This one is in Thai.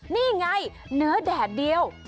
นี่ไงเนื้อแดดเดียว